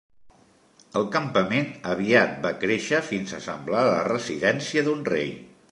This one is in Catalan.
El campament aviat va créixer fins a semblar la residència d'un rei.